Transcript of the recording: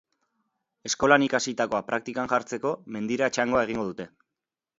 Eskolan ikasitakoa praktikan jartzeko, mendira txangoa egingo dute.